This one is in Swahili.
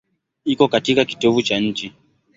Iko katika kitovu cha nchi.